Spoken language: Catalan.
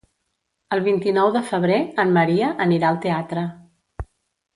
El vint-i-nou de febrer en Maria anirà al teatre.